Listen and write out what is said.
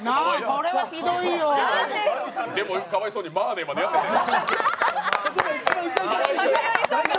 でも、かわいそうにまぁねぇまでやってたよ。